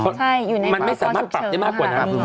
อ๋อใช่อยู่ในฝากผัวชุกเฉินมันไม่สามารถปรับได้มากกว่านะครับ